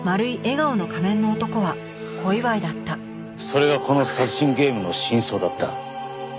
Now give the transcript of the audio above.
それがこの殺人ゲームの真相だった。